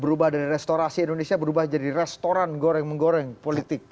berubah dari restorasi indonesia berubah jadi restoran goreng menggoreng politik